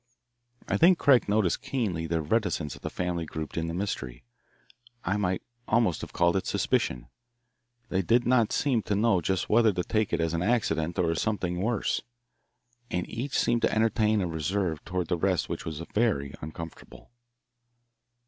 I think Craig noticed keenly the reticence of the family group in the mystery I might almost have called it suspicion. They did not seem to know just whether to take it as an accident or as something worse, and each seemed to entertain a reserve toward the rest which was very uncomfortable.